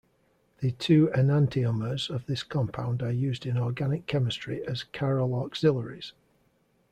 The two enantiomers of this compound are used in organic chemistry as chiral auxiliaries.